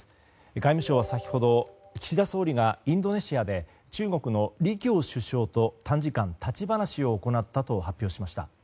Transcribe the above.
外務省は、先ほど岸田総理がインドネシアで中国の李強首相と短時間、立ち話を行ったと発表しました。